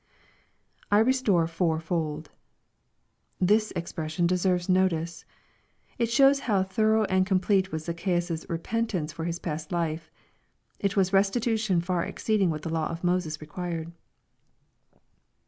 ^~^ [I rjestore fowfold.] This expression deserves notice. It shows how thorough and complete was Zacchaeus* repentance for his past life. It was restitution far exceeding what the law of Moseq required.